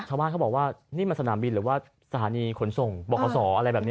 ชาวบ้านเขาบอกว่านี่มันสนามบินหรือว่าสถานีขนส่งบอกขอสออะไรแบบนี้